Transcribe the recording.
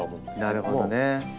なるほどね。